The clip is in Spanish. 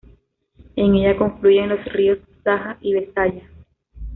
En ella confluyen los ríos Saja y Besaya.